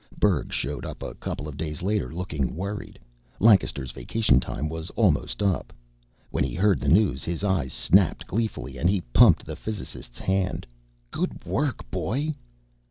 Berg showed up a couple of days later, looking worried. Lancaster's vacation time was almost up. When he heard the news, his eyes snapped gleefully and he pumped the physicist's hand. "Good work, boy!"